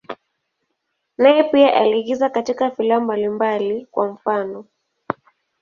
Naye pia aliigiza katika filamu mbalimbali, kwa mfano.